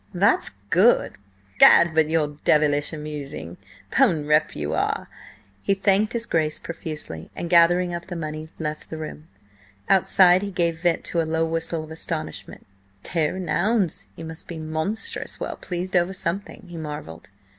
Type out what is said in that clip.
"That's good! Gad! but you're devilish amusing, 'pon rep. you are!" He thanked his Grace profusely and gathering up the money, left the room. Outside he gave vent to a low whistle of astonishment. "Tare an' ouns! he must be monstrous well pleased over something!" he marvelled.